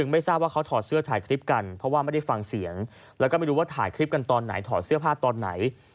ไม่ได้ฟังเสียงและไม่รู้ว่าถ่ายคลิปกันตอนไหนถอดเสื้อผ้าตอนไหน